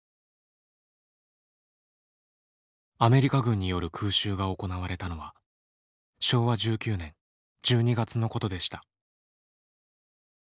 アメリカ軍による空襲が行われたのは昭和１９年１２月のことでした。